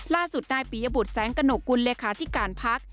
ล่าสุดนายปียบุตรแสงกระหนกกุลเลขาธิการพัก